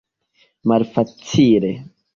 Malfacile!